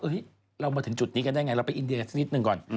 เรามาถึงจุดนี้กันได้ไงเราไปอินเดียสักนิดหนึ่งก่อน